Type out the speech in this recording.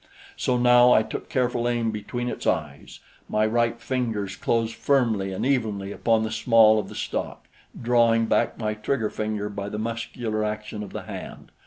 So now I took careful aim between its eyes; my right fingers closed firmly and evenly upon the small of the stock, drawing back my trigger finger by the muscular action of the hand.